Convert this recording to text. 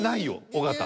尾形。